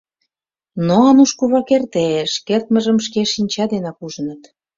Но Ануш кува кертеш, кертмыжым шке шинча денак ужыныт.